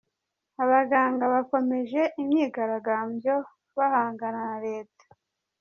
Abaganga bakomeje imyigaragambyo bahangana na Leta